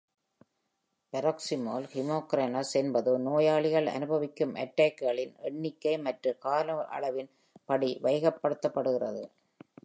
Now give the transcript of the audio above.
Paroxysmal hemicranias என்பது நோயாளிகள் அனுபவிக்கும் அட்டாக்குகளின் எண்ணிக்கை மற்றும் காலஅளவின் படி வைகப்படுத்தப்படுகிறது.